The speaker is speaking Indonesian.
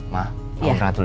ma aku berangkat dulu ya